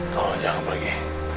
tolong jangan pergi